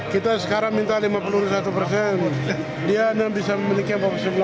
kita sekarang minta lima puluh satu persen dia bisa memiliki empat puluh sembilan